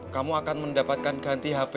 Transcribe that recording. kamu akan mendapatkan ganti hp